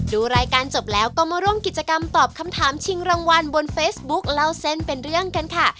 ดูรายการจบแล้วก็มาร่วมกิจกรรมตอบคำถามชิงรางวัลบนเฟซบุ๊คเล่าเส้นเป็นเรื่องกันค่ะ